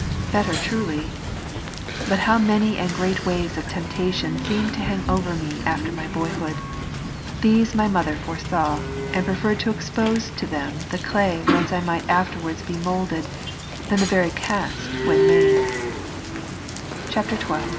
Better truly. But how many and great waves of temptation seemed to hang over me after my boyhood ! These my mother foresaw ; and pre ferred to expose to them the clay whence I might afterwards be moulded, than the very cast, when made '^. [XXL] 19.